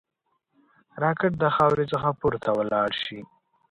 راکټ د خاورې څخه پورته ولاړ شي